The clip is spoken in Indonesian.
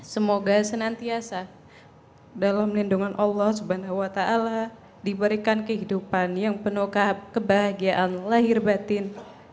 semoga senantiasa dalam lindungan allah swt diberikan kehidupan yang penuh kebahagiaan lahir batin